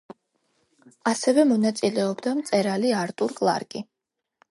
ასევე მონაწილეობდა მწერალი არტურ კლარკი.